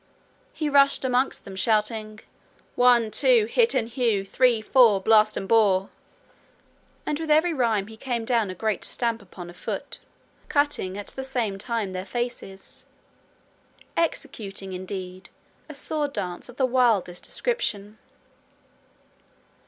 He rushed amongst them, shouting: 'One, two, Hit and hew! Three, four, Blast and bore!' and with every rhyme he came down a great stamp upon a foot, cutting at the same time their faces executing, indeed, a sword dance of the wildest description.